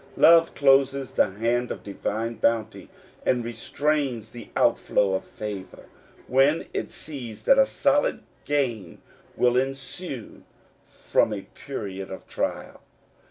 Love closes the hand of divine bounty, and restrains the outflow of favor, when it sees that a solid gain will ensue from a period of trial.